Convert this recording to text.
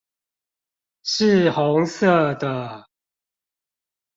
是紅色的